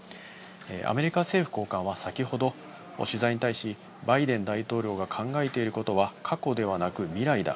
アメリカ政府高官は先ほど、取材に対し、バイデン大統領が考えていることは、過去ではなく未来だ。